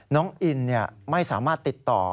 น้องอินไม่สามารถติดต่อ